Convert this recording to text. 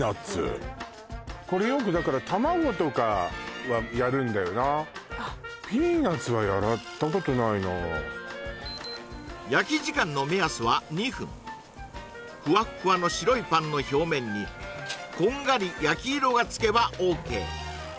これよくだから卵とかはやるんだよなあっ焼き時間の目安は２分ふわっふわの白いパンの表面にこんがり焼き色がつけばＯＫ